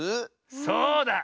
そうだ！